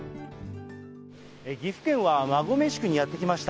岐阜県は馬籠宿にやって来ました。